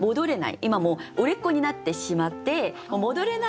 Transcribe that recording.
今もう売れっ子になってしまって戻れないよと。